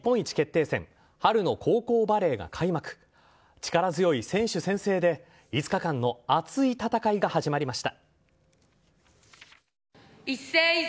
力強い選手宣誓で５日間の熱い戦いが始まりました。